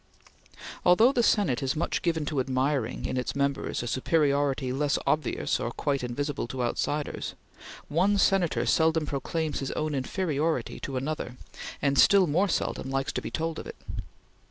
Although the Senate is much given to admiring in its members a superiority less obvious or quite invisible to outsiders, one Senator seldom proclaims his own inferiority to another, and still more seldom likes to be told of it.